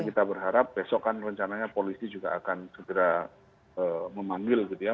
kita berharap besok kan rencananya polisi juga akan segera memanggil gitu ya